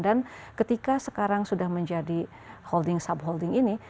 dan ketika sekarang sudah menjadi holding subholding ini